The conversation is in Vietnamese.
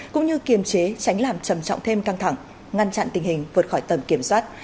cũng như kiềm chế tránh làm trầm trọng thêm căng thẳng ngăn chặn tình hình vượt khỏi tầm kiểm soát